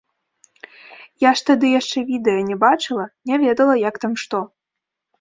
Я ж тады яшчэ відэа не бачыла, не ведала, як там што.